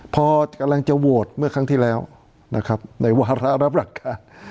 พอกำลังจะโหวตเมื่อครั้งที่แล้วนะครับในวาระรับหลักการ